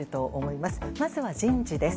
まずは人事です。